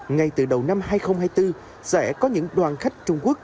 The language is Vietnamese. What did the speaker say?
ngay từ đầu năm hai nghìn hai mươi bốn sẽ có những đoàn khách trung quốc